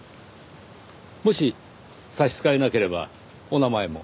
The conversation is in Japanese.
もし差し支えなければお名前も。